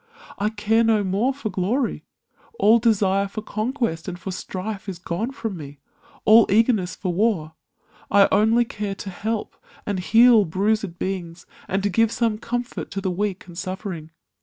I care no more for glory; all desire For conquest and for strife is gone from me, All eagerness for war ; I only care To help and heal bruised beings, and to give Some comfort to the weak and suffering.